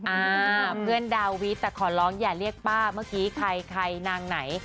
อ่าเพื่อนดาวิทย์แต่ขอร้องอย่าเรียกป้าเมื่อกี้ใครใครนางไหน